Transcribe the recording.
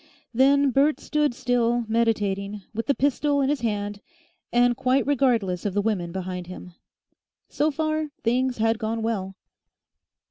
Then Bert stood still meditating, with the pistol in his hand, and quite regardless of the women behind him. So far things had gone well.